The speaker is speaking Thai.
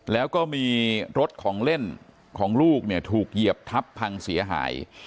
แล้วก็มีรถของเล่นของลูกเนี่ยถูกเหยียบทับพังเสียหาย